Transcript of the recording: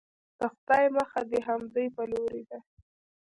د خدای مخه د همدوی په لورې ده.